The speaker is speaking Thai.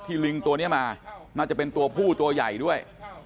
ลิงตัวนี้มาน่าจะเป็นตัวผู้ตัวใหญ่ด้วย